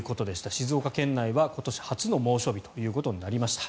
静岡県内は今年初の猛暑日となりました。